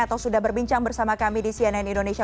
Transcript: atau sudah berbincang bersama kami di cnn indonesia